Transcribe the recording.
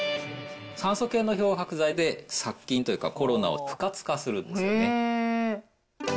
酸素系の漂白剤で殺菌というか、コロナを不活化するんですよね。